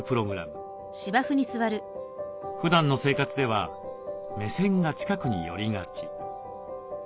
ふだんの生活では目線が近くに寄りがち。